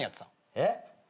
えっ？